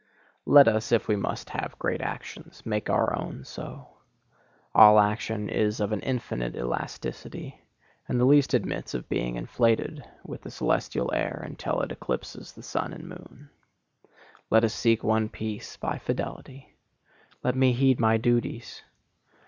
Let us, if we must have great actions, make our own so. All action is of an infinite elasticity, and the least admits of being inflated with the celestial air until it eclipses the sun and moon. Let us seek one peace by fidelity. Let me heed my duties.